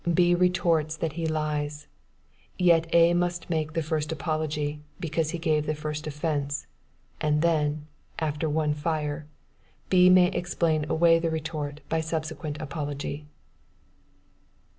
B. retorts, that he lies; yet A. must make the first apology, because he gave the first offence, and then, (after one fire,) B. may explain away the retort by subsequent apology.